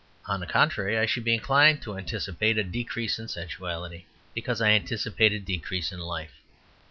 On the contrary, I should be inclined to anticipate a decrease in sensuality, because I anticipate a decrease in life.